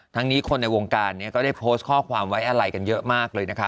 นี้คนในวงการนี้ก็ได้โพสต์ข้อความไว้อะไรกันเยอะมากเลยนะคะ